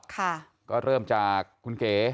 ก็เริ่มจากคุณก๋